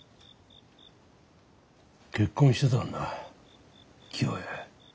結婚してたんだ清恵。